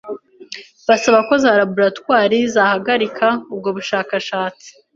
basaba ko za laboratoires zahagarika ubwo bushakashatsi